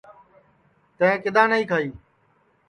تیں کیوں نائی کھائی